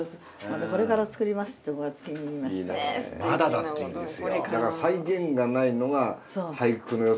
まだだって言うんですよ。